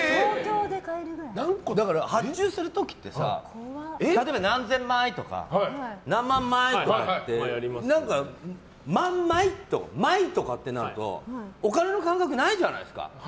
だから発注する時って例えば何千枚とか何万枚とかって万枚とかってなるとお金の感覚ないじゃないですか。